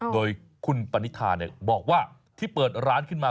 โดยคุณปณิธาบอกว่าที่เปิดร้านขึ้นมา